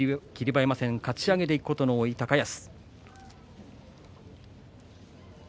馬山戦かち上げでいくことの多い高安。